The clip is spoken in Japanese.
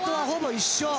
ほぼ一緒。